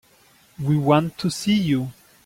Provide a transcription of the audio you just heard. We want to see you.